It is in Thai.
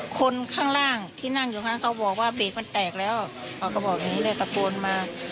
คนข้างล่างที่นั่งอยู่ข้างเขาบอกว่าเบรกมันแตกแล้วเขาก็บอกอย่างนี้เลยตะโกนมา